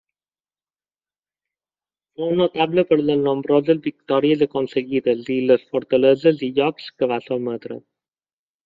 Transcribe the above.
Fou notable per les nombroses victòries aconseguides i les fortaleses i llocs que va sotmetre.